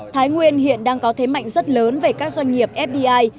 thái nguyên hiện đang có thế mạnh rất lớn về các doanh nghiệp fdi